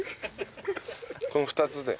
この２つで。